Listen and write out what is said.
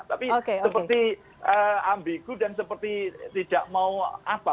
tapi seperti ambigu dan seperti tidak mau apa